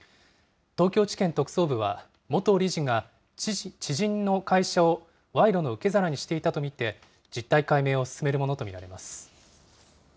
東京地検特捜部は、元理事が、知人の会社を賄賂の受け皿にしていたとみて、実態解明を進めるものと見られます。